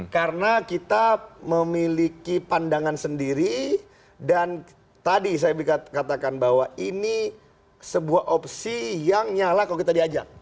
karena kita memiliki pandangan sendiri dan tadi saya katakan bahwa ini sebuah opsi yang nyala kalau kita diajak